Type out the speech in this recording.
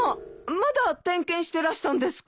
まだ点検してらしたんですか？